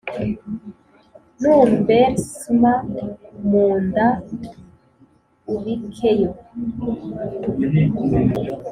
numbersma mu nda ubikeyo